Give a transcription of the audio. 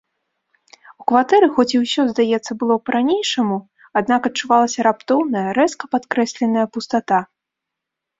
У кватэры хоць і ўсё, здаецца, было па-ранейшаму, аднак адчувалася раптоўная, рэзка падкрэсленая пустата.